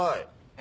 え？